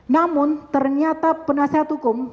namun ternyata penasihat hukum